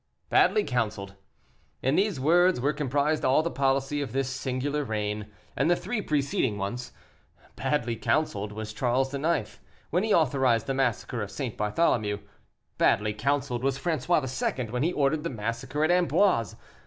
Badly counseled. In these words were comprised all the policy of this singular reign, and the three preceding ones. Badly counseled was Charles IX. when he authorized the massacre of St. Bartholomew. Badly counseled was François II. when he ordered the massacre at Amboise.